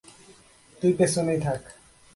তুই পেছনেই থাক!